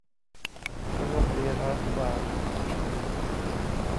โรงเรียนรัฐบาล